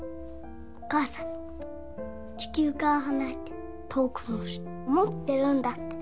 おかあさん地球から離れて遠くの星守ってるんだって。